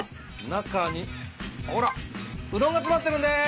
中にほらうどんが詰まってるんです。